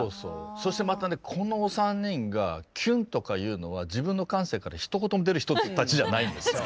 そしてまたねこのお三人が「キュン」とかいうのは自分の感性からひと言も出る人たちじゃないんです。